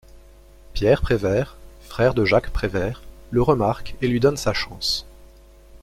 Pierre Prévert, frère de Jacques Prévert, le remarque et lui donne sa chance.